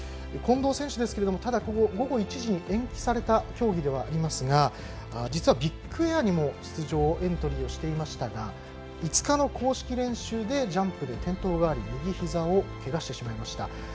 近藤選手は、実は午後１時に延期された競技ではありますが実はビッグエアにも出場エントリーをしていましたが５日の公式練習でジャンプで転倒があり右ひざをけがしてしまいました。